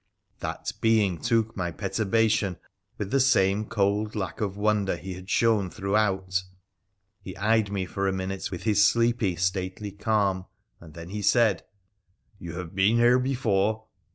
That being took my perturbation with the same cold lack of wonder he had shown throughout. He eyed me for a minute with his sleepy, stately calm, and then he said, ' You have been here before.'